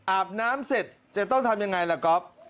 อาบน้ำเสร็จจะต้องทำยังไงล่ะก๊อฟ